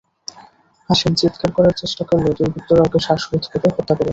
হাশেম চিত্কার করার চেষ্টা করলে দুর্বৃত্তরা ওকে শ্বাসরোধ করে হত্যা করে।